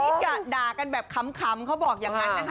นี่ด่ากันแบบขำเขาบอกอย่างนั้นนะคะ